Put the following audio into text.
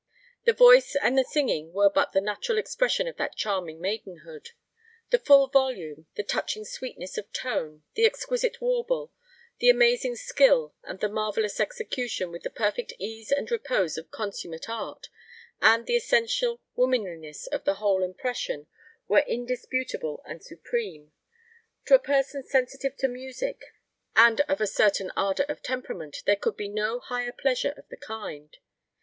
The voice and the singing were but the natural expression of that charming maidenhood. The full volume, the touching sweetness of tone, the exquisite warble, the amazing skill and the marvellous execution, with the perfect ease and repose of consummate art, and the essential womanliness of the whole impression, were indisputable and supreme. To a person sensitive to music and of a certain ardor of temperament there could be no higher pleasure of the kind.